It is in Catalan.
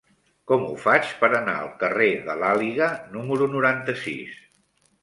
Com ho faig per anar al carrer de l'Àliga número noranta-sis?